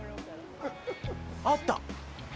あった。